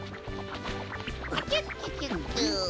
キュッキュキュッキュ。